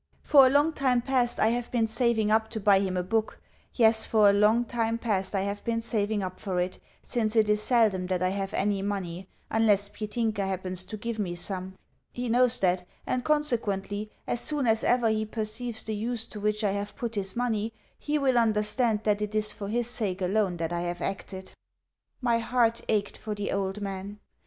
For a long time past, I have been saving up to buy him a book yes, for a long time past I have been saving up for it, since it is seldom that I have any money, unless Petinka happens to give me some. He knows that, and, consequently, as soon as ever he perceives the use to which I have put his money, he will understand that it is for his sake alone that I have acted." My heart ached for the old man.